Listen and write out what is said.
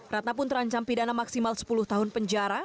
ratna pun terancam pidana maksimal sepuluh tahun penjara